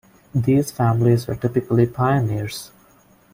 These families were typically pioneers.